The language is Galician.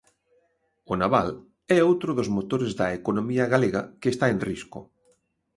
O naval é outro dos motores da economía galega que está en risco.